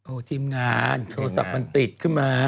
ทีมงานโทรศัพท์มันติดขึ้นมา